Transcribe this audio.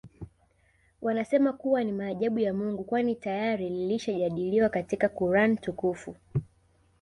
Wanasema kuwa ni maajabu ya Mungu kwani tayari lilishajadiliwa katika Quran Tukufu